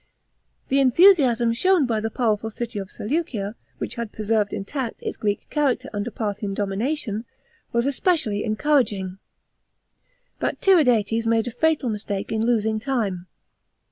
The enthusiasm shown by the powtrlul city of Seleucia, which had preserved intact its Greek character under Parthian domination, was especially encouraging. But Tiridates made a fatal mistake in losing time.